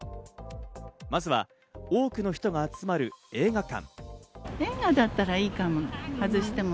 まずは多くの人が集まる映画館。